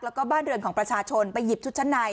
แล้วก็บ้านเรือนของประชาชนไปหยิบชุดชั้นใน